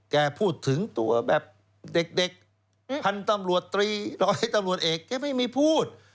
แกพูดถึงตัวแบบเด็กพันธุ์ตำรวจตรีร้อยตำรวจเอกแกไม่มีพูด